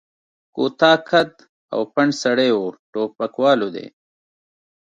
کوتاه قد او پنډ سړی و، ټوپکوالو دی.